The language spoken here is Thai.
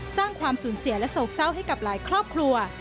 สร้างความสูญเสียและโศกเศร้าให้กับหลายครอบครัว